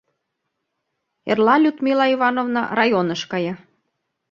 Эрла Людмила Ивановна районыш кая.